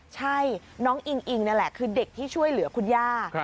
ใช่น้องอิงอิงนั่นแหละคือเด็กที่ช่วยเหลือคุณย่า